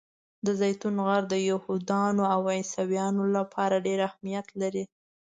د زیتون غر د یهودانو او عیسویانو لپاره ډېر اهمیت لري.